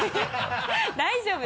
大丈夫？